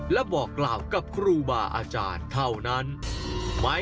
หันล้วยหันล้วยหันล้วยหันล้วยหันล้วยหันล้วยหันล้วย